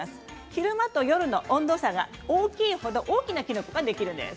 昼間と夜の温度差が大きい程、大きなキノコができるんです。